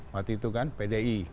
waktu itu kan pdi